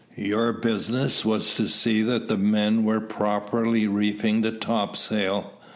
Your business was to see that the men were properly reefing the topsail.